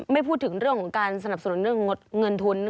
ไม่พูดถึงเรื่องของการสนับสนุนเรื่องเงินทุน